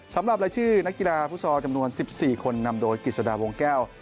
สำหรับรายชื่อนักกีฬาฟุตซอลจำนวน๑๔คนนำโดยกิจสดาวงแก้ว